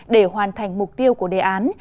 để hoàn thành mục tiêu của đề án